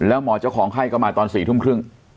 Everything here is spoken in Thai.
แล้วหมอเจ้าของไข้ก็มาตอน๔ทุ่มครึ่ง